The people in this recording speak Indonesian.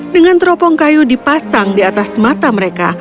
dengan teropong kayu dipasang di atas mata mereka